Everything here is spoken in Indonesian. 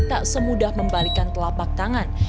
tak semudah membalikan telapak tangan